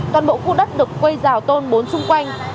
toàn bộ khu đất được quây rào tôn bốn xung quanh